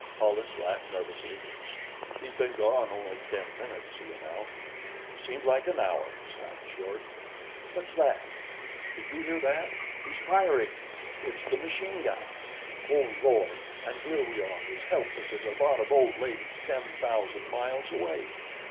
Hollis laughed nervously. "He's been gone only ten minutes," he announced. "Seems like an hour," snapped Short. "What's that? Did you hear that? He's firing! It's the machine gun! Oh, Lord; and here we are as helpless as a lot of old ladies ten thousand miles away!